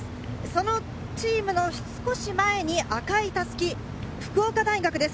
そのチームの少し前に赤い襷、福岡大学です。